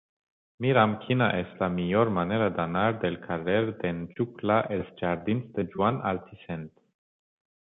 Mira'm quina és la millor manera d'anar del carrer d'en Xuclà als jardins de Joan Altisent.